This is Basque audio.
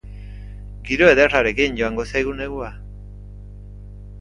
Giro ederrarekin joango zaigu negua.